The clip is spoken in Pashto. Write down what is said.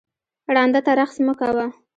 ړانده ته رخس مه کوه